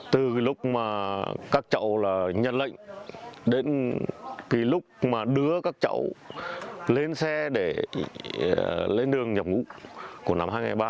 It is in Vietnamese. từ lúc các chậu nhận lệnh đến lúc đưa các chậu lên xe để lên đường nhập ngũ của năm hai nghìn ba